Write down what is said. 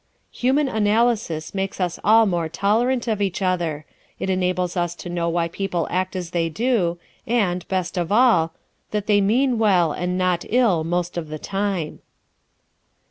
Human Analysis makes us all more tolerant of each other. It enables us to know why people act as they do, and, best of all, that they mean well and not ill most of the time.